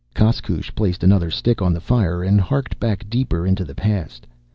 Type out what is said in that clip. Koskoosh placed another stick on the fire and harked back deeper into the past.